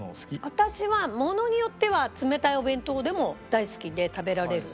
私はものによっては冷たいお弁当でも大好きで食べられる。